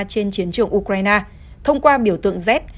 trên chiến trường ukraine thông qua biểu tượng z